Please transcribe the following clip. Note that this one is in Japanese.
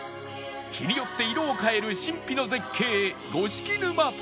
日によって色を変える神秘の絶景五色沼と